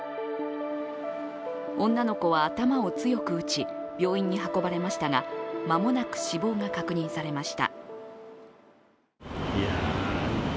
女の子は頭を強く打ち、病院に運ばれましたがまもなく死亡が確認されました。